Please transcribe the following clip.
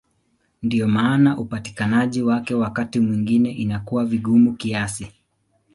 Ndiyo maana upatikanaji wake wakati mwingine inakuwa vigumu kiasi.